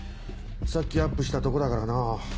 さっきアップしたとこだからな。